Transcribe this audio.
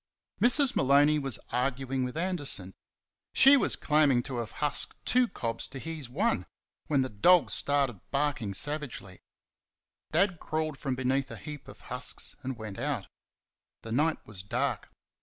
Mrs. Maloney was arguing with Anderson. She was claiming to have husked two cobs to his one, when the dogs started barking savagely. Dad crawled from beneath a heap of husks and went out. The night was dark.